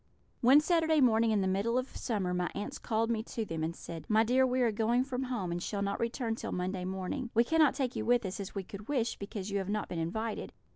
"One Saturday morning in the middle of summer my aunts called me to them and said, 'My dear, we are going from home, and shall not return till Monday morning. We cannot take you with us, as we could wish, because you have not been invited.